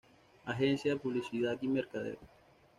Agencia de Publicidad y mercadeo.